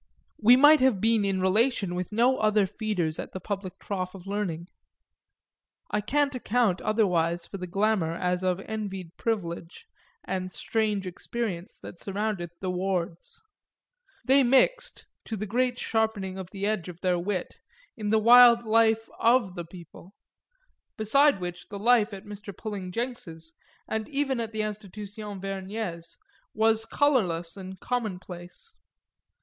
We must have been in relation with no other feeders at the public trough of learning I can't account otherwise for the glamour as of envied privilege and strange experience that surrounded the Wards; they mixed, to the great sharpening of the edge of their wit, in the wild life of the people, beside which the life at Mr. Pulling Jenks's and even at the Institution Vergnès was colourless and commonplace.